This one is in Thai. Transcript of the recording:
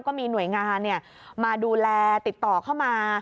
ก็มีหน่วยงานมาดูแลติดต่อเข้ามา